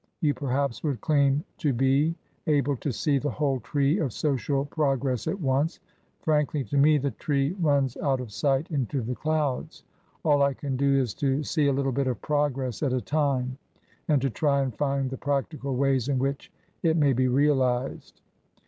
You perhaps would claim to be able to see the whole tree of Social Progress at once. Frankly, to me the tree runs out of sight — into the clouds. All I can do is to see a little bit of progress at a time, and to try and find the practical ways in which it may be realized."